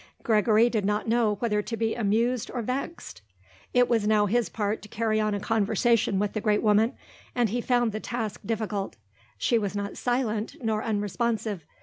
Gregory did not know whether to be amused or vexed. It was now his part to carry on a conversation with the great woman: and he found the task difficult. She was not silent, nor unresponsive.